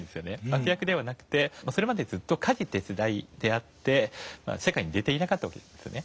悪役ではなくてそれまでずっと家事手伝いであって社会に出ていなかったんですよね。